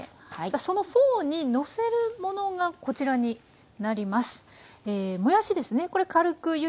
そのフォーにのせるものがこちらになります。